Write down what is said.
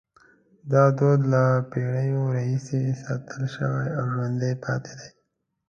دا دود له پیړیو راهیسې ساتل شوی او ژوندی پاتې دی.